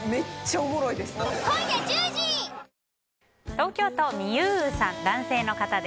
東京都、男性の方。